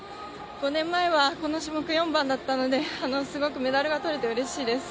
５年前はこの種目、４番だったのですごくメダルがとれてうれしいです。